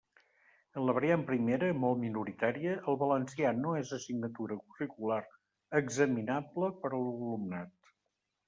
En la variant primera, molt minoritària, el valencià no és assignatura curricular examinable per a l'alumnat.